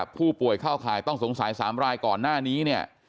ผู้ป่วยเข้าข่ายต้องสงสัย๓รายก่อนหน้านี้เนี่ย